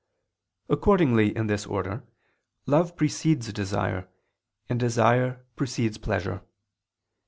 Accordingly in this order, love precedes desire, and desire precedes pleasure.